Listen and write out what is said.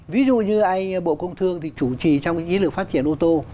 ví dụ như anh bộ công thương thì chủ trì trong những lực phát triển ô tô